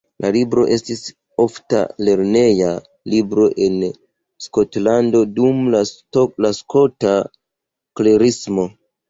La libro estis ofta lerneja libro en Skotlando dum la Skota Klerismo.